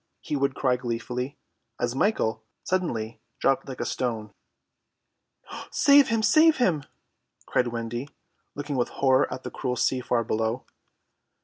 he would cry gleefully, as Michael suddenly dropped like a stone. "Save him, save him!" cried Wendy, looking with horror at the cruel sea far below.